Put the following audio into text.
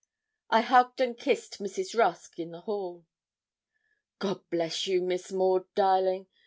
I hugged and kissed Mrs. Rusk in the hall. 'God bless you, Miss Maud, darling.